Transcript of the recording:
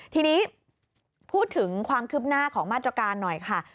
ทีนี้พูดถึงความคืบหน้าของมาตรการหน่อยค่ะ